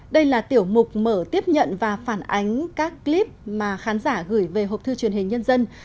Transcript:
đây là tiểu mục mở tiếp nhận và phản ánh các clip mà khán giả gửi về học thư truyền hình nhân dân